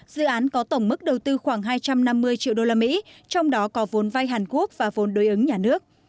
dự án có tổng mức đầu tư khoảng hai trăm năm mươi triệu usd trong đó có vốn vay hàn quốc và vốn đối ứng nhà nước